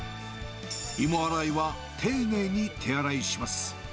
芋洗いは丁寧に手洗いします。